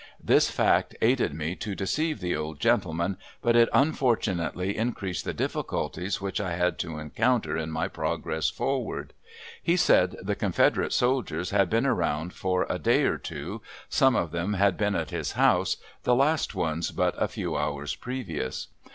This fact aided me to deceive the old gentleman, but it unfortunately increased the difficulties which I had to encounter in my progress forward. He said the Confederate soldiers had been around for a day or two. Some of them had been at his house, the last ones but a few hours previous.